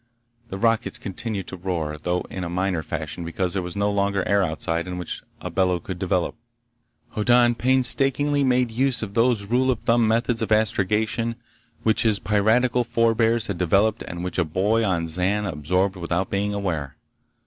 The rockets continued to roar, though in a minor fashion because there was no longer air outside in which a bellow could develop. Hoddan painstakingly made use of those rule of thumb methods of astrogation which his piratical forebears had developed and which a boy on Zan absorbed without being aware.